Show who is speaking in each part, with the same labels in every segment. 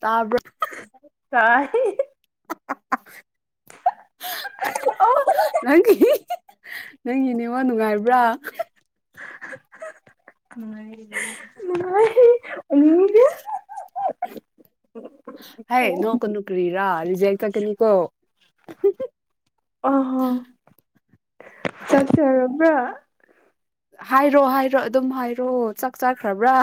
Speaker 1: ꯇ [unintelligible] ꯂꯪꯒꯤ ꯍꯍ ꯅꯪꯒꯤ ꯅꯦꯠꯋꯥꯛ ꯅꯨꯡꯉꯥꯏꯕ꯭ꯔꯥ
Speaker 2: ꯍ ꯍ ꯍ ꯅꯨꯡꯉꯥꯏꯔꯦ ꯥꯏ ꯎꯒ ꯎꯝ
Speaker 1: ꯍꯌꯦ ꯅ ꯀ ꯅꯨ ꯀ꯭ꯔꯔꯥꯔꯤꯖꯥꯏ ꯇꯀꯅꯤꯀꯣ
Speaker 2: ꯑ ꯍ ꯆꯠꯁꯦ ꯄꯨ꯭ꯔ
Speaker 1: ꯍꯥꯏꯔꯣ ꯍꯥꯏꯔꯣ ꯑꯗꯨꯝ ꯍꯥꯏꯔꯣ ꯆꯥꯛ ꯆꯥꯈ꯭ꯔꯕ꯭ꯔꯥ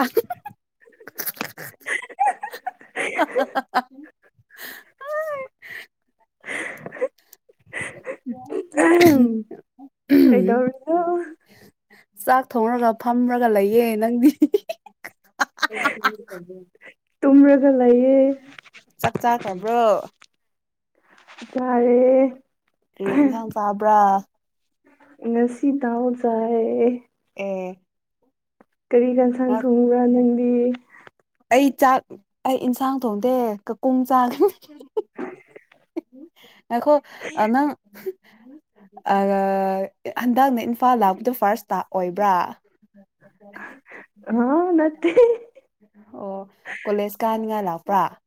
Speaker 1: [inaudible]
Speaker 2: ꯀꯩꯗꯧꯔ
Speaker 1: ꯆꯥꯛ ꯊꯣꯡꯔꯒ ꯐꯝꯔꯒ ꯂꯩꯌꯦ ꯅꯪꯗꯤ
Speaker 2: ꯇꯨꯝꯔꯒ ꯂꯩꯌꯦ
Speaker 1: ꯆꯥꯛ ꯆꯥꯛ ꯍꯥ꯭ꯔꯣ
Speaker 2: ꯌꯥꯔꯦ
Speaker 1: ꯑꯦꯔꯤ ꯍ ꯆꯥꯕ꯭ꯔꯥ
Speaker 2: ꯉꯁꯤꯗꯎ ꯆꯦ
Speaker 1: ꯍ
Speaker 2: ꯀꯔꯤ ꯀꯟ ꯁꯥꯟ ꯊꯣꯡꯕ꯭ꯔꯥ ꯅꯪ [unintelligible]
Speaker 1: ꯑꯩ ꯆꯥꯛ ꯑꯩ ꯏꯟꯁꯥꯡ ꯊꯣꯡꯗꯦ ꯀꯀꯣꯡ ꯆꯥ ꯉꯥꯏꯈꯣ ꯑ ꯅꯪ ꯑꯒꯑ ꯍꯟꯗꯛꯅ ꯏꯝꯐꯥꯜ ꯂꯥꯛꯄꯗꯣ ꯐꯥꯔꯁꯇ ꯑꯣꯏꯕ꯭ꯔꯥ
Speaker 2: ꯑ ꯅ
Speaker 1: ꯄ꯭ꯔꯥ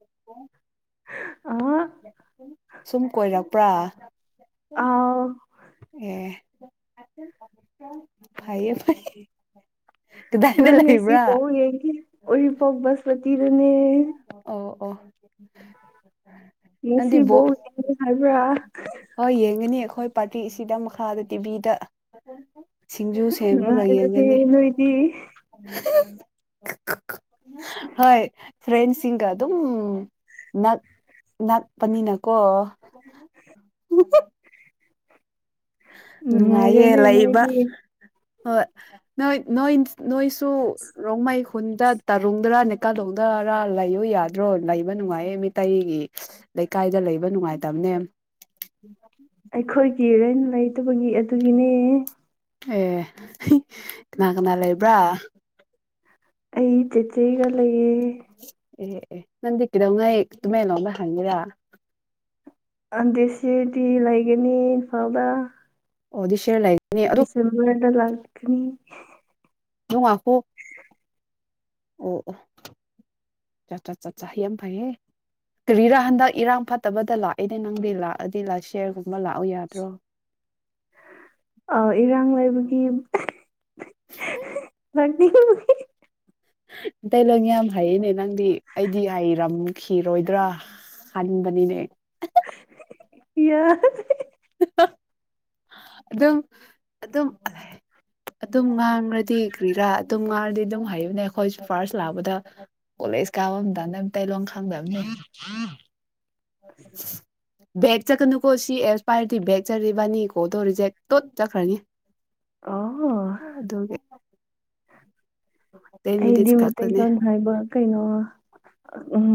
Speaker 2: ꯑ
Speaker 1: ꯎꯝ ꯁꯨꯝ ꯀꯣꯏꯔꯛꯄ꯭ꯔꯥ
Speaker 2: ꯑꯥꯎ
Speaker 1: ꯎꯝ ꯐꯌꯦ ꯐꯌꯦ
Speaker 2: ꯅꯪ ꯉꯁꯤꯄ ꯌꯦꯦꯒꯤ ꯑꯣꯔꯤꯄꯒꯕꯁꯃ ꯑꯗꯨꯅꯤ
Speaker 1: ꯎ
Speaker 2: ꯃꯁꯤ ꯣ ꯍꯥꯏꯜꯕ꯭ꯔ
Speaker 1: ꯍꯣꯏ ꯌꯦꯡꯒꯅꯤ ꯑꯩꯈꯣꯏ ꯄꯥꯔꯇꯤꯁꯤꯗ ꯃꯈꯥꯗ ꯇꯤꯚꯤꯗ ꯁꯤꯡꯖꯨ ꯁꯦꯝꯔꯒ
Speaker 2: ꯅꯨꯡꯉꯥꯏꯕꯅꯦ
Speaker 1: ꯌꯦꯡꯒꯅꯤ
Speaker 2: ꯅꯣꯏꯗꯤ
Speaker 1: ꯍꯣꯏ ꯐ꯭ꯔꯦꯟꯁꯤꯡꯒ ꯑꯗꯨꯝ ꯅꯛ ꯅꯛꯄꯅꯤꯅꯀꯣ ꯅꯨꯡꯉꯥꯏꯌꯦ
Speaker 2: ꯅꯨꯡꯉꯥꯏꯔꯦꯅꯦ
Speaker 1: ꯂꯩꯕ
Speaker 2: ꯅꯣꯏꯗꯤ
Speaker 1: ꯍꯣꯏ ꯅꯣꯏ ꯅꯣꯏ ꯅꯣꯏꯁꯨ ꯔꯣꯡꯃꯩ ꯈꯨꯟꯗ ꯇꯔꯨꯡꯗꯔꯥ ꯅꯦꯛꯀꯥꯗꯧꯗꯔꯥ ꯂꯩꯌꯨ ꯌꯥꯗ꯭ꯔꯣ ꯂꯩꯕ ꯅꯨꯡꯉꯥꯏꯌꯦ ꯃꯤꯇꯩꯩꯒꯤ ꯂꯩꯀꯥꯏꯗ ꯂꯩꯕ ꯅꯨꯡꯉꯥꯏꯇꯕꯅꯦ
Speaker 2: ꯑꯩꯈꯣꯏꯒꯤ ꯂꯩ ꯂꯩꯇꯕꯒꯤ ꯑꯗꯨꯒꯤꯅꯦ
Speaker 1: ꯑꯦ ꯀꯅꯥ ꯀꯅꯥ ꯂꯩꯕ꯭ꯔꯥ
Speaker 2: ꯑꯩ ꯆꯦꯆꯦꯒ ꯂꯩꯌꯦ
Speaker 1: ꯑꯦ ꯅꯪꯗꯤ ꯀꯗꯧ ꯉꯥꯏ ꯇꯨꯃꯦ ꯂꯣꯕ ꯍꯪꯉꯤꯔꯥ
Speaker 2: ꯑꯗ ꯁꯤꯗꯤ ꯂꯩꯒꯅꯤ ꯏꯝꯐꯥꯜꯗ
Speaker 1: ꯑꯣꯗꯤꯁꯤ
Speaker 2: ꯁꯦꯝꯕꯔꯗ ꯂꯥꯛꯈꯅꯤ
Speaker 1: ꯍꯨꯡ ꯑꯈꯨ ꯑꯣ ꯑꯣ ꯆꯠ ꯆꯠ ꯆꯠ ꯌꯥꯝ ꯐꯩꯉꯦ ꯀꯔꯤꯔ ꯍꯟꯗꯛ ꯏꯔꯥꯡ ꯐꯠꯇꯕꯗ ꯂꯥꯛꯏꯅꯦ ꯅꯪꯗꯤ ꯂꯥꯛꯑꯗꯤ ꯁꯤꯌꯔꯒꯨꯝꯕ ꯂꯥꯛꯎ ꯌꯥꯗ꯭ꯔꯣ
Speaker 2: ꯑ ꯏꯔꯥꯡ ꯂꯩꯕꯒꯤ ꯅ
Speaker 1: ꯑꯇꯩ ꯂꯪ ꯌꯥꯝ ꯍꯩꯌꯦꯅꯦ ꯅꯪꯗꯤ ꯑꯩꯗꯤ ꯍꯥꯏꯔꯝꯈꯤꯔꯣꯏꯗ꯭ꯔꯥ ꯍꯟꯕꯅꯤꯅꯦ
Speaker 2: ꯌꯦ
Speaker 1: ꯑꯗꯨꯝ ꯑꯗꯨꯝ ꯑꯗꯨꯝ ꯉꯥꯡꯉ꯭ꯔꯗꯤ ꯀ꯭ꯔꯤꯔꯥ ꯑꯗꯨꯝ ꯉꯥꯡꯔꯗꯤ ꯑꯗꯨꯝ ꯍꯩꯕꯅꯦ ꯑꯩꯈꯣꯏ ꯐꯥꯔꯁ ꯂꯥꯛꯄꯗ ꯀꯣꯂꯦꯖ ꯀꯥꯕ ꯑꯝꯗ ꯇꯣꯡ ꯊꯪꯗꯕꯅꯦ [unintelligible] ꯕꯦꯒ ꯆꯠꯀꯅꯨꯀꯣ ꯁꯤ ꯑꯦꯛꯁꯄꯌꯔꯗꯤ ꯕꯦꯒ ꯆꯠꯂꯤꯕꯥꯅꯤꯀꯣ ꯑꯗꯣ ꯔꯤꯖꯦꯛ ꯇꯣꯠ ꯆꯠꯈ꯭ꯔꯅꯤ
Speaker 2: ꯑꯣ
Speaker 1: ꯑꯗꯨꯒꯤ ꯇꯦꯟ
Speaker 2: ꯑꯩꯗꯤ
Speaker 1: ꯃꯤꯅꯤꯠꯁ ꯈꯛꯇꯅꯦ
Speaker 2: ꯃꯩꯇꯩꯂꯣꯟꯣꯟ ꯍꯥꯏꯕ ꯀꯩꯅꯣ ꯎꯝ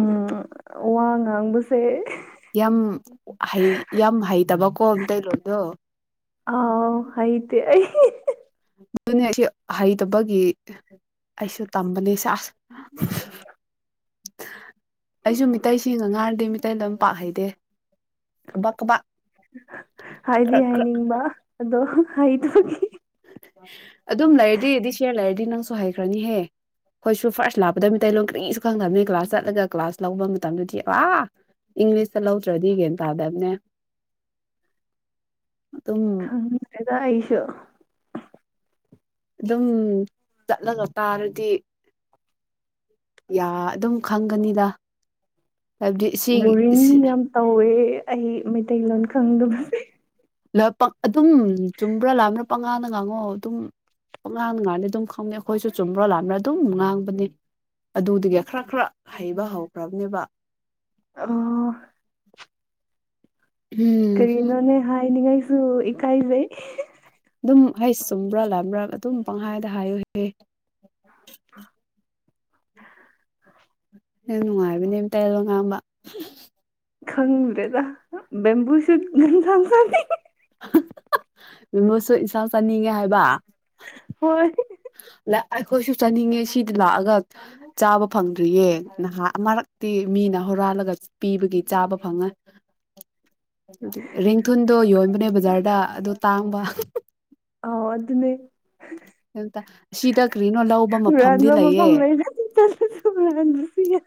Speaker 2: ꯋꯥ ꯉꯥꯡꯕꯁꯦ
Speaker 1: ꯌꯥꯝ ꯍ ꯌꯥꯝ ꯍꯩꯇꯕꯀꯣ ꯑꯝꯇꯔꯣꯗꯣ
Speaker 2: ꯑ ꯑꯥꯏꯗꯤ ꯑꯩ
Speaker 1: ꯑꯗꯨꯅꯤ ꯁꯤ ꯍꯩꯇꯕꯒꯤ ꯑꯩꯁꯨ ꯇꯝꯕꯅꯦ ꯁꯥ ꯑꯩꯁꯨ ꯃꯤꯇꯩꯁꯤꯡ ꯉ ꯉꯥꯔꯗꯤ ꯃꯤꯇꯩꯗ ꯑꯗꯨꯝ ꯄꯥꯛ ꯍꯩꯗꯦ ꯀꯕꯥꯛ ꯀꯕꯥꯛ ꯈꯔ
Speaker 2: ꯍꯥꯏꯗꯤ
Speaker 1: ꯈꯔ
Speaker 2: ꯍꯥꯏꯅꯤꯡꯕ ꯑꯗꯣ ꯍꯩꯊꯣꯛꯈꯤ
Speaker 1: ꯑ ꯑꯗꯨꯝ ꯂꯩꯔꯗꯤ ꯑꯗꯨꯗꯤ ꯁꯦꯌꯔ ꯂꯩꯔꯗꯤ ꯅꯪ ꯁꯨ ꯍꯩꯈ꯭ꯔꯅꯤꯍꯦ ꯑꯩꯈꯣꯏꯁꯨ ꯐꯥꯔꯁ ꯂꯥꯛꯄꯗ ꯃꯤꯇꯩꯇꯩꯂꯣꯟ ꯀꯔꯤꯁꯨ ꯈꯪꯗꯕꯅꯤ ꯀ꯭ꯂꯥꯁ ꯆꯠꯂꯒ ꯀ꯭ꯂꯥꯁ ꯂꯧꯕ ꯃꯇꯝꯗꯗꯤ ꯑꯥ ꯏꯪꯂꯤꯁꯇ ꯂꯧꯗ꯭ꯔꯗꯤ ꯒꯌꯥꯟ ꯇꯥꯗꯕꯅꯦ ꯑꯗꯨꯝ
Speaker 2: ꯈꯦꯗ ꯏꯁꯨꯣ
Speaker 1: ꯑꯗꯨꯝ ꯆꯠꯂꯒ ꯇꯥꯔꯗꯤ ꯌꯥ ꯑꯗꯨꯝ ꯈꯪꯒꯅꯤꯗ ꯍꯥꯏꯕꯗꯤ ꯁꯤ
Speaker 2: ꯕꯣꯔꯤꯡ ꯌꯥꯝ ꯇꯧꯋꯦ ꯑꯩ ꯃꯩꯇꯩꯂꯣꯟ ꯈꯪꯗꯕꯁꯦ
Speaker 1: ꯂ ꯇꯨꯝ꯭ꯔꯥ ꯂꯥꯕꯅ ꯄꯉꯥꯅ ꯉꯥꯡꯉꯣ ꯑꯗꯨꯝ ꯄꯉꯥꯅ ꯉꯥꯡꯅꯤ ꯑꯗꯨꯝ ꯈꯪꯅꯤ ꯑꯩꯈꯣꯏꯁꯨ ꯆꯨꯝꯕ꯭ꯔꯥ ꯂꯥꯟꯕ꯭ꯔꯥ ꯑꯗꯨꯝ ꯉꯥꯡꯕꯅꯦ ꯑꯗꯨꯗꯒꯤ ꯈꯔ ꯈꯔ ꯍꯩꯕ ꯍꯧꯈ꯭ꯔꯕꯅꯦꯕ
Speaker 2: ꯑ
Speaker 1: ꯎꯝ ꯍꯨꯝ
Speaker 2: ꯀꯔꯤꯅꯣꯅꯦ ꯍꯥꯏꯥꯏꯅꯤꯡꯉꯥꯏ ꯁꯨ ꯏꯀꯥꯏꯖꯦ
Speaker 1: ꯑꯗꯨꯝ ꯍꯩꯁ ꯆꯨꯝꯕ꯭ꯔꯥ ꯂꯥꯝꯕ꯭ꯔꯥ ꯑꯗꯨꯝ ꯄꯪꯍꯥꯏꯗ ꯍꯥꯏꯌꯨꯍ ꯌꯥꯝ ꯅꯨꯡꯉꯥꯏꯕꯅꯦ ꯑꯇꯌꯦꯜꯕ ꯉꯥꯡꯕ
Speaker 2: ꯈꯪꯗ꯭ꯔꯦꯗ ꯕꯦꯝꯕꯨꯨ ꯁꯨꯠ ꯉꯟ ꯊ
Speaker 1: ꯃꯤꯃꯁꯨ ꯏꯁꯥ ꯆꯥꯅꯤꯡꯉꯦ ꯍꯥꯏꯕ
Speaker 2: ꯍꯣꯏ
Speaker 1: ꯑꯩꯈꯣꯏꯁꯨ ꯆꯥꯅꯤꯡꯉꯦ ꯁꯤꯗꯤ ꯂꯥꯛꯑꯒ ꯆꯥꯕ ꯐꯪꯗ꯭ꯔꯤꯌꯦ ꯅꯍꯥꯛ ꯃꯔꯛꯇꯤ ꯃꯤꯅ ꯍꯨꯔꯥꯜꯂꯒ ꯄꯤꯕꯒꯤ ꯆꯥꯕ ꯐꯪꯉꯦ ꯔꯦꯡꯊꯨꯜꯗꯣ ꯌꯣꯟꯕꯅꯦ ꯕꯖꯥꯔꯗ ꯑꯗꯨ ꯇꯥꯡꯕ
Speaker 2: ꯑ ꯑꯗꯨꯗꯅꯦ
Speaker 1: ꯀꯇ ꯑꯁꯤꯗ ꯀꯔꯤꯅꯣ ꯂꯧꯕ ꯃꯐꯝꯗꯤ
Speaker 2: ꯍꯨꯔꯥꯟꯕ
Speaker 1: ꯂꯩꯑ
Speaker 2: ꯃꯐꯝ ꯂꯩꯔꯗꯤ ꯆꯠꯂꯁꯨ ꯍꯨꯔꯥꯟꯕꯁꯨ ꯌꯥꯏ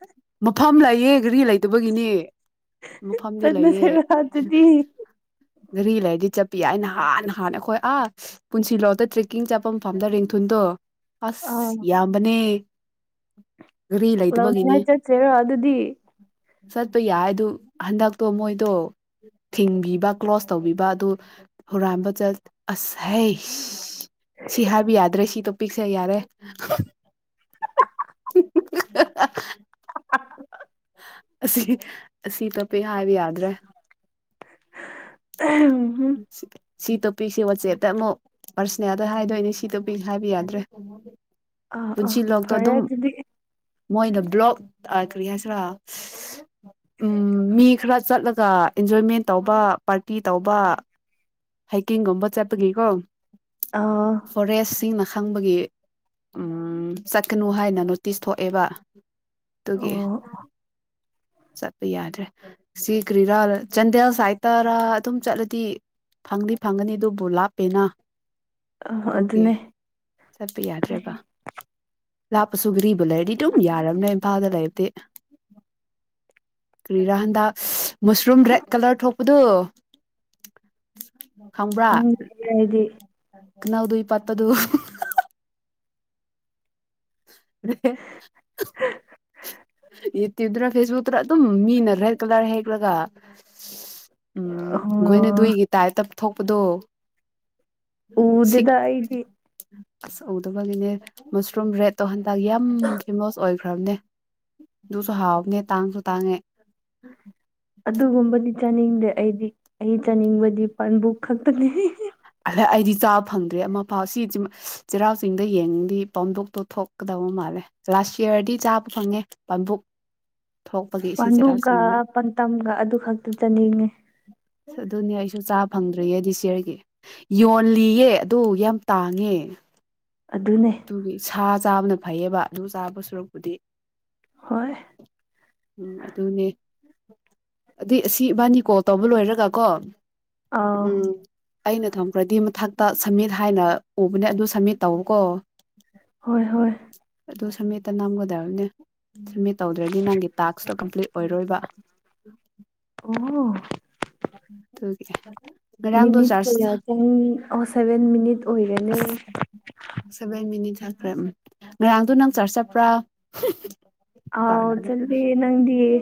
Speaker 1: ꯃꯐꯝ ꯂꯩꯑ ꯒꯥꯔꯤ ꯂꯩꯇꯕꯒꯤꯅꯤ ꯃꯐꯝꯗꯤ ꯂꯩꯑ
Speaker 2: ꯆꯠꯂꯁꯤꯔ ꯑꯗꯨꯗꯤ
Speaker 1: ꯉꯔꯤ ꯂꯩꯔꯗꯤ ꯆꯠꯄꯤ ꯌꯥ ꯑꯩꯅ ꯍꯥꯟꯅ ꯍꯥꯟꯅ ꯑꯩꯈꯣꯏ ꯑꯥ ꯄꯨꯟꯁꯤ ꯂꯧꯗꯠꯇ꯭ꯔꯤ ꯀꯀꯤꯡ ꯆꯥꯐꯝ ꯐꯐꯝꯝꯗ ꯔꯦꯡꯊꯨꯟꯗꯣ ꯑꯁ
Speaker 2: ꯑꯥ
Speaker 1: ꯌꯥꯝꯕꯅꯦ [inaudible] ꯂꯩꯇꯕꯒꯤꯅꯤ
Speaker 2: ꯂꯧꯥꯎꯅꯤꯡꯉꯥꯏ ꯆꯠꯁꯦꯔꯣ ꯑꯗꯨꯗꯤ
Speaker 1: ꯆꯠꯄ ꯌꯥꯏ ꯑꯗꯨ ꯍꯟꯗꯛꯇꯣ ꯃꯣꯏꯗꯣ ꯊꯤꯡꯕꯤꯕ ꯀ꯭ꯂꯣꯁ ꯇꯧꯕꯤꯕ ꯑꯗꯨ ꯍꯨꯔꯥꯟꯕ ꯆꯠ ꯑꯁꯩ ꯄꯤꯛꯁꯦ ꯌꯥꯔꯦ
Speaker 2: ꯑ
Speaker 1: ꯑꯁꯤꯁ ꯑꯁꯤꯁꯤ ꯇ ꯇꯄꯤ ꯍꯥꯏꯕ ꯌꯥꯗ꯭ꯔꯦ
Speaker 2: ꯎꯝ
Speaker 1: ꯁꯤ ꯇꯣꯞꯄꯤ ꯁꯤ ꯋꯥꯆꯦꯠ ꯑꯗ ꯑꯃꯨꯛ ꯄꯥꯔꯁꯣꯅꯦꯜꯗ ꯍꯥꯏꯗꯣꯏꯅꯦ ꯁꯤꯗ ꯄꯤ ꯍꯥꯏꯕ ꯌꯥꯗ꯭ꯔꯦ
Speaker 2: ꯑ ꯑ
Speaker 1: ꯄꯨꯟꯁꯤ ꯂꯣꯛꯇꯣ
Speaker 2: ꯐꯔꯦ
Speaker 1: ꯑꯗꯨꯝ
Speaker 2: ꯑꯗꯨꯗꯤ
Speaker 1: ꯃꯣꯏꯅ ꯕ꯭ꯂꯣꯛ ꯀꯔꯤ ꯍꯥꯏꯦ ꯈꯔ ꯎ ꯃꯤ ꯈꯔ ꯆꯠꯂꯒ ꯑꯦꯟꯖꯣꯏꯃꯦꯟ ꯇꯧꯕ ꯄꯥꯔꯇꯤ ꯇꯧꯕ ꯍꯥꯏꯀꯤꯡꯒꯨꯝꯕ ꯆꯠꯄꯒꯤꯀꯣ
Speaker 2: ꯑꯥ
Speaker 1: ꯐꯣꯔꯦꯏ ꯁꯤꯃ ꯈꯪꯕꯒꯤ ꯆꯠꯀꯅꯨ ꯍꯥꯏꯅ ꯅꯣꯇꯤꯁ ꯊꯣꯛꯑꯦꯕ ꯑꯗꯨꯒꯤ
Speaker 2: ꯑꯣ
Speaker 1: ꯆꯠꯄ ꯌꯥꯗ꯭ꯔꯦ ꯁꯤ ꯀꯔꯤꯔꯥ ꯆꯥꯟꯗꯦꯜ ꯁꯥꯏꯠꯇꯔ ꯑꯗꯨꯝ ꯆꯠꯂꯗꯤ ꯐꯪꯗꯤ ꯐꯪꯒꯅꯤ ꯑꯗꯨꯕꯨ ꯂꯥꯞꯄꯦꯅ
Speaker 2: ꯑꯥ
Speaker 1: ꯇꯒꯦ
Speaker 2: ꯑꯗꯨꯅꯦ
Speaker 1: ꯆꯠꯄ ꯌꯥꯗ꯭ꯔꯦꯕ ꯂꯥꯞꯄꯁꯨ ꯒꯔꯤꯕꯨ ꯂꯩꯔꯗꯤ ꯑꯗꯨꯝ ꯌꯥꯔꯕꯅꯦ ꯏꯝꯐꯥꯜꯗ ꯂꯩꯕꯗꯤ ꯀꯔꯤꯔꯥ ꯍꯟꯗꯛ ꯃꯁꯔꯨꯝ ꯔꯦꯠ ꯀꯂꯔ ꯊꯣꯛꯄꯗꯨꯣ
Speaker 2: ꯈꯪ ꯍꯥꯏꯗꯤ
Speaker 1: ꯅꯎꯗꯨ ꯏꯄꯥꯄ ꯑꯗꯨ [inaudible] [unintelligible] ꯇꯤꯗꯨꯅ ꯐꯦꯁꯕꯨꯛꯇꯗ ꯑꯗꯨꯝ ꯃꯤꯅ ꯔꯦꯗ ꯀꯂꯔ ꯍꯦꯛꯂꯒ ꯎꯝ ꯒꯨꯏꯅ
Speaker 2: ꯑꯥ
Speaker 1: ꯗꯨꯏꯒꯤ ꯇꯥꯏꯄꯇ ꯊꯣꯛꯄꯗꯣ ꯁꯤꯛ
Speaker 2: ꯎꯗꯦꯗ
Speaker 1: ꯑꯁ ꯎꯗꯕꯒꯤꯅꯦ ꯃꯁꯔꯨꯝ ꯔꯦꯠꯇꯣ ꯍꯟꯗꯛ ꯌꯥꯝ ꯐꯦꯃꯣꯁ ꯑꯣꯏꯈ꯭ꯔꯕꯅꯦ ꯑꯗꯨꯁꯨ ꯍꯥꯎꯕꯅꯦ ꯇꯥꯡꯁꯨ ꯇꯥꯡꯉꯦ
Speaker 2: ꯑꯗꯨꯒꯨꯝꯕꯅꯤ ꯆꯥꯅꯤꯡꯗꯦ ꯑꯩꯗꯤ ꯑꯩ ꯆꯥꯅꯤꯡꯕꯗꯤ ꯄꯥꯟꯕꯨ ꯈꯛꯇꯅꯤ
Speaker 1: ꯑꯗ ꯑꯩꯗꯤ ꯆꯥꯕ ꯐꯪꯗꯦ ꯑꯃ ꯐꯥꯎ ꯁꯤ ꯆꯩꯔꯥꯎ ꯆꯤꯡꯗ ꯌꯦꯡꯗꯤ ꯄꯥꯝꯝꯕꯣꯛꯇꯣ ꯊꯣꯛꯀꯗꯕ ꯃꯥꯜꯂꯦ ꯂꯥꯁ ꯏꯌꯥꯔꯗꯤ ꯆꯥꯕ ꯐꯪꯉꯦ ꯄꯥꯝꯕꯣꯛ
Speaker 2: ꯄꯥꯟꯗꯨꯒ ꯄꯥꯟꯇꯝꯒ ꯑꯗꯨ ꯈꯛꯇ ꯆꯅꯤꯡꯉꯦ
Speaker 1: ꯑꯗꯨꯅꯦ ꯑꯩꯁꯨ ꯆꯥ ꯐꯪꯗ꯭ꯔꯤꯌꯦꯗꯤ ꯁꯤꯌꯔꯒꯤ ꯌꯣꯜꯂꯤꯌꯦ ꯑꯗꯨ ꯌꯥꯝ ꯇꯥꯡꯉꯦ
Speaker 2: ꯑꯗꯨꯅꯦ
Speaker 1: ꯑꯗꯨꯒꯤ ꯁꯥ ꯆꯥꯕ ꯅꯠꯇ ꯐꯩꯌꯦꯕ ꯑꯗꯨ ꯆꯥꯕ ꯁꯔꯨꯛꯄꯨꯗꯤ
Speaker 2: ꯍꯣꯏ
Speaker 1: ꯎꯝ ꯑꯗꯨꯅꯦ ꯑꯗꯨꯏ ꯑꯁꯤ ꯏꯕꯥꯅꯤ ꯀꯣꯜ ꯇꯧꯕ ꯂꯣꯏꯔꯒ ꯀꯣ
Speaker 2: ꯑ
Speaker 1: ꯎꯝ ꯑꯩꯅ ꯊꯝꯈ꯭ꯔꯗꯤ ꯃꯊꯛꯇ ꯁꯝꯃꯤꯠ ꯍꯥꯏꯅ ꯎꯕꯅꯦ ꯑꯗꯨ ꯁꯝꯃꯤꯠ ꯇꯧꯔꯨꯀꯣ
Speaker 2: ꯍꯣꯏ ꯍꯣꯏ
Speaker 1: ꯁꯥꯃꯤꯠꯇ ꯅꯝꯒꯗꯔꯅꯤ ꯁꯝꯃꯤꯠ ꯇꯧꯗ꯭ꯔꯗꯤ ꯅꯪꯒꯤ ꯇꯥꯛꯁꯇꯣ ꯀꯝꯄ꯭ꯂꯤꯠ ꯑꯣꯏꯔꯣꯏꯕ
Speaker 2: ꯑꯣ
Speaker 1: ꯇꯧꯒꯦ
Speaker 2: ꯃꯤꯅꯤꯠ ꯀꯌꯥ ꯆꯪꯅꯤ [unintelligible] ꯁꯚꯦꯟ ꯃꯤꯅꯤꯠ ꯑꯣꯏꯔꯅꯤ
Speaker 1: ꯁꯦꯕꯦꯟ ꯃꯤꯅꯤꯠ ꯈ꯭ꯔꯦ ꯎꯝ ꯉꯔꯥꯡꯗꯣ ꯅꯪ ꯆꯔꯁ ꯆꯠꯄ꯭ꯔꯥ
Speaker 2: ꯑꯥꯎ ꯆꯜ ꯅꯪꯗꯤꯌꯦꯦ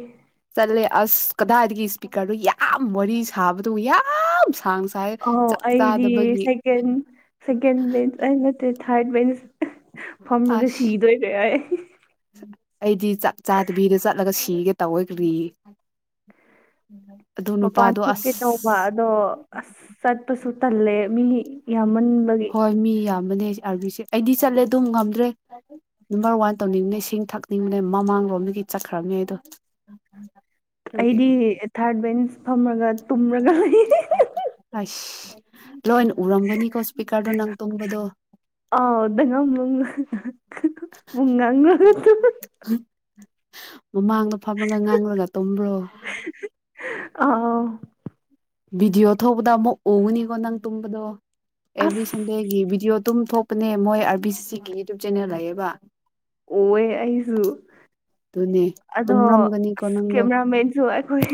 Speaker 1: ꯆꯠꯂꯦ ꯑꯁ ꯀꯗꯥꯏꯗꯒꯤ ꯏꯁꯄꯤꯀꯔꯗꯨꯣ ꯌꯥꯝ ꯋꯥꯔꯤ ꯁꯥꯕꯗꯨꯣ ꯌꯥꯝ ꯁꯥꯡ ꯁꯥꯏ
Speaker 2: ꯑ
Speaker 1: ꯆꯥꯛ
Speaker 2: ꯑꯩꯗꯤ
Speaker 1: ꯆꯥꯗꯕꯒꯤ
Speaker 2: ꯁꯦꯀꯦꯟ ꯁꯦꯀ ꯊꯥꯔ ꯗꯠ ꯃꯤꯟꯁ ꯐꯝꯃꯒ
Speaker 1: ꯑꯁ
Speaker 2: ꯁꯤꯗꯣꯏꯔ ꯌꯥ
Speaker 1: ꯑꯩꯗꯤ ꯆꯞ ꯆꯥꯗꯕꯤꯗ ꯆꯠꯂꯒ ꯁꯤꯒꯦ ꯇꯧꯋꯦ ꯀꯔꯤ ꯑꯗꯨ
Speaker 2: ꯃꯄꯥꯟ
Speaker 1: ꯅꯨꯄꯥꯗꯣ
Speaker 2: ꯊꯣꯛꯀꯤꯦ ꯇꯧꯕꯧꯕ
Speaker 1: ꯑꯁ
Speaker 2: ꯑꯗꯣ ꯁꯠꯄ ꯁ ꯇꯜꯂꯦ ꯃꯤ ꯌꯥꯝꯃꯟꯕꯒꯤ
Speaker 1: ꯍꯣꯏ ꯃꯤ ꯌꯥꯝ ꯅꯦ ꯑꯥꯔꯕꯤꯁꯦ ꯑꯩꯗꯤ ꯆꯠꯂꯦ ꯑꯗꯨꯝ ꯉꯝꯗ꯭ꯔꯦ ꯅꯝꯕꯔ ꯋꯥꯟ ꯇꯧꯅꯤꯡꯕꯅꯦ ꯏꯁꯤꯡ ꯊꯛꯅꯤꯡꯕꯅꯦ ꯃꯃꯥꯡꯂꯣꯝꯗꯒꯤ ꯆꯠꯈ꯭ꯔꯕꯅꯦ ꯑꯗꯣ
Speaker 2: ꯑꯩꯗꯤ ꯊꯥꯔꯠ ꯕꯦꯟꯁ ꯐꯝꯔꯒ ꯇꯨꯃ꯭ꯔꯒ
Speaker 1: [inaudible] ꯂꯣꯏꯅ ꯎꯔꯝꯒꯅꯤꯀꯣ ꯏꯁꯄꯤꯀꯔꯗꯣ ꯅꯪ ꯇꯨꯝꯕꯗꯣ
Speaker 2: ꯃꯉꯥꯡꯒ
Speaker 1: ꯃꯃꯥꯡꯗꯣ ꯐꯝꯃꯒ ꯉꯥꯡꯂꯒ ꯇꯨꯝꯝꯕ꯭ꯔꯣ
Speaker 2: ꯑ
Speaker 1: ꯚꯤꯗꯤꯑꯣ ꯊꯧꯕꯗ ꯑꯃꯨꯛ ꯎꯉꯨꯅꯤꯀꯣ ꯅꯪ ꯇꯨꯝꯕꯗꯣ ꯑꯦꯚ꯭ꯔꯤ
Speaker 2: ꯑꯁ
Speaker 1: ꯁꯟꯗꯦꯒꯤ ꯚꯗꯤꯑꯣ ꯇꯝ ꯊꯣꯛ ꯅꯦ ꯃꯣꯏ ꯑꯥꯔ ꯕꯤ ꯁꯤꯒꯤ ꯌꯨꯇꯨꯕ ꯆꯦꯅꯦꯜ ꯂꯩꯌꯦꯦꯕ
Speaker 2: ꯑꯣ ꯑꯁꯨ
Speaker 1: ꯑꯗꯨꯅꯦ
Speaker 2: ꯑꯗꯣ
Speaker 1: ꯇꯨꯝꯔꯝꯒꯅꯤꯀꯣ ꯅꯪꯗꯣ
Speaker 2: ꯀꯦꯃꯦꯔꯥ ꯃꯦꯟꯁꯨ ꯍꯈꯣꯏ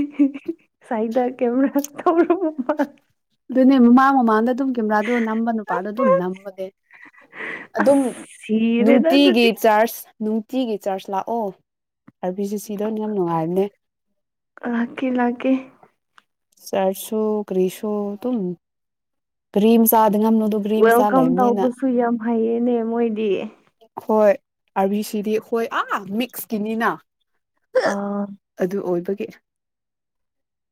Speaker 2: ꯁꯥꯏꯗ ꯀꯦꯃꯦꯔ ꯊꯧꯔ
Speaker 1: ꯑꯗꯨꯅꯦ ꯃꯃꯥ ꯃꯃꯥꯡꯗ ꯑꯗꯨꯝ ꯀꯦꯃꯦꯔꯥꯗꯣ ꯅꯝꯕ ꯅꯨꯄꯥꯗꯣ ꯑꯗꯨꯝ ꯅꯝꯕꯅꯦ ꯑꯗꯨꯝ
Speaker 2: ꯑꯁ ꯁꯤꯔꯦꯗ
Speaker 1: ꯅꯨꯡꯇꯤꯒꯤ
Speaker 2: ꯑꯗꯨꯗꯤ
Speaker 1: ꯆꯥꯔꯖ ꯇꯤꯒꯤ ꯆꯔꯆ ꯂꯥꯛꯑꯣ ꯑꯄꯤꯁꯤ ꯁꯤꯗꯧꯅꯦ ꯌꯥꯝ ꯅꯨꯡꯉꯥꯏꯕꯅꯦ
Speaker 2: ꯂꯥꯛꯀꯦ ꯂꯥꯛꯀꯦ
Speaker 1: ꯆꯔꯁꯣ ꯀ꯭ꯔꯤꯁꯣ ꯀꯔꯤꯝ ꯁꯥ
Speaker 2: ꯋꯦꯜꯀꯝ ꯇꯧꯕꯁꯨ ꯌꯥꯝ ꯍꯩꯌꯦꯅꯦ ꯃꯣꯏꯗꯤ
Speaker 1: ꯑꯥꯔꯕꯤꯁꯤꯗꯤ ꯍꯣꯏ ꯑꯥ ꯃꯤꯛꯁꯀꯤꯅꯤꯅ
Speaker 2: ꯑ
Speaker 1: ꯍ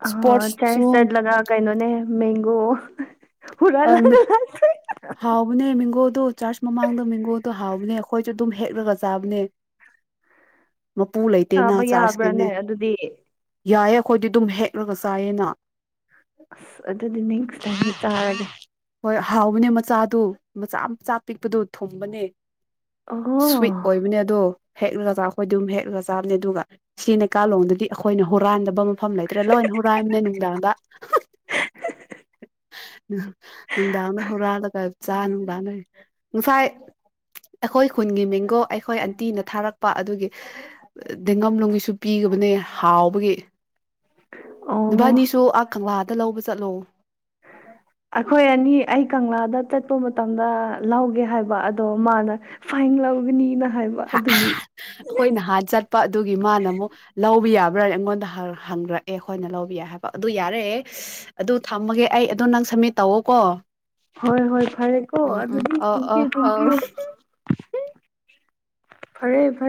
Speaker 2: ꯑ ꯆꯔꯁ ꯆꯠ ꯂ ꯀꯩꯅꯣꯅꯦ ꯃ ꯑꯣꯑꯣ
Speaker 1: ꯑ ꯍꯥꯎꯅꯦ ꯃꯤꯣꯗꯨ ꯆꯥꯔꯖ ꯃꯃꯥꯡꯗꯣ ꯃꯡꯒꯣꯟꯜꯗꯣ ꯍꯥꯎꯕꯅꯦ ꯑꯩꯈꯣꯏꯁꯨ ꯑꯗꯨꯝ ꯍꯦꯛꯂꯒ ꯆꯥꯕꯅꯦ ꯃꯄꯨ ꯂꯩꯇꯦꯅ
Speaker 2: ꯆꯥꯕ
Speaker 1: ꯆꯥꯔꯖꯀꯤꯅꯦ
Speaker 2: ꯌꯥꯕ꯭ꯔꯥꯅꯦ ꯑꯗꯨꯗꯤ
Speaker 1: ꯌꯥꯏꯌꯦꯦ ꯑꯩꯈꯣꯏꯗꯤ ꯑꯗꯨꯝ ꯍꯦꯛꯂꯒ ꯆꯥꯏꯌꯦꯅ
Speaker 2: ꯑꯁ ꯑꯗꯨꯗꯗꯤ ꯅꯁ ꯇ ꯇ ꯍꯥꯏꯒꯦ
Speaker 1: ꯍꯣꯏ ꯍꯥꯎꯕꯅꯦ ꯃꯆꯥꯗꯨ ꯃꯆꯥ ꯃꯆꯥ ꯄꯤꯛꯄꯗꯨ ꯊꯨꯝꯕꯅꯦ
Speaker 2: ꯑꯣ
Speaker 1: ꯁ꯭ꯋꯤꯠ ꯑꯣꯏꯕꯅꯦ ꯑꯗꯣ ꯍꯦꯛꯂꯒ ꯆ ꯑꯩꯈꯣꯏ ꯑꯗꯨꯝ ꯍꯦꯛꯂꯒ ꯆꯥꯕꯅꯦ ꯑꯗꯨꯒ ꯁꯤ ꯂꯩꯩꯀꯥꯂꯣꯗꯗꯤ ꯑꯩꯈꯣꯏꯅ ꯍꯨꯔꯥꯟꯗꯕ ꯃꯐꯝ ꯂꯩꯇ꯭ꯔꯦ ꯂꯣꯏꯅ ꯍꯨꯔꯥꯏꯕꯅꯦ ꯅꯨꯡꯗꯥꯡꯗ ꯎꯝ ꯅꯨꯡꯗꯥꯡꯗ ꯍꯨꯔꯥꯜꯂꯒ ꯆꯥ ꯅꯨꯡꯗꯥꯡꯗ ꯉꯁꯥꯏ ꯑꯩꯈꯣꯏ ꯈꯨꯟꯒꯤ ꯃꯦꯡꯒꯣ ꯑꯩꯈꯣꯏ ꯑꯟꯇꯤꯅ ꯊꯥꯔꯛꯄ ꯑꯗꯨꯒꯤ ꯗꯦꯡꯒꯝ ꯂꯅꯨꯡꯒꯤꯁꯨ ꯄꯤꯕꯅꯦ ꯍꯥꯎꯕꯒꯤ
Speaker 2: ꯑꯣ
Speaker 1: ꯅꯨꯄꯥꯅꯤꯁꯨ ꯑ ꯈꯪꯕ ꯗ ꯂꯧꯕ ꯆꯠꯂꯣ
Speaker 2: ꯑꯩꯈꯣꯏ ꯑꯅꯤ ꯑꯩ ꯀꯪꯂꯥꯗ ꯆꯠꯄ ꯃꯇꯝꯗ ꯂꯧꯒꯦ ꯍꯥꯏꯕ ꯑꯗꯣ ꯃꯥꯅ ꯐꯥꯏꯟ ꯂꯧꯒꯅꯤꯅ ꯍꯥꯏꯕ ꯑꯗꯨꯒꯤ
Speaker 1: ꯑꯩꯈꯣꯏꯅ ꯍꯥꯠ ꯆꯠꯄ ꯑꯗꯨꯒꯤ ꯃꯥꯅ ꯑꯃꯨꯛ ꯂꯧ ꯂꯧꯕ ꯌꯥꯕ꯭ꯔꯥ ꯑꯩꯉꯣꯟꯗ ꯍꯪꯒ꯭ꯔꯛꯑꯦ ꯑꯩꯈꯣꯏꯅ ꯂꯧꯕ ꯌꯥ ꯍꯥꯏꯕ ꯑꯗꯨ ꯌꯥꯔꯦ ꯑꯗꯨ ꯊꯝꯃꯒꯦ ꯑꯩ ꯑꯗꯨꯗ ꯅꯪ ꯁꯝꯃꯤꯠ ꯇꯧꯋꯀꯣ
Speaker 2: ꯍꯣꯏ ꯍꯣꯏ ꯐꯔꯦꯀꯣ ꯑꯗꯨꯗꯤ
Speaker 1: ꯑ ꯑ
Speaker 2: ꯊꯦꯡꯀ꯭ꯌꯨ
Speaker 1: ꯑ
Speaker 2: ꯊꯦꯡꯀ꯭ꯌꯨ ꯐꯔꯦ ꯐꯔꯦ